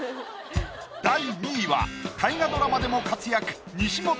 第２位は大河ドラマでも活躍。